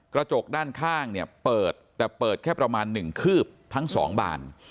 กระจกด้านข้างเนี่ยเปิดแต่เปิดแค่ประมาณ๑คืบทั้ง๒บาน